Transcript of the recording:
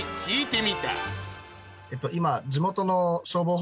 今。